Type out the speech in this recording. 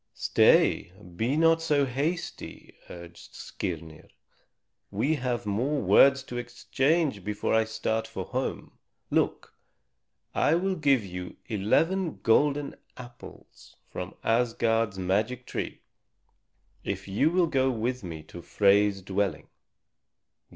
"Stay, be not so hasty," urged Skirnir. "We have more words to exchange before I start for home. Look, I will give you eleven golden apples from Asgard's magic tree if you will go with me to Frey's dwelling."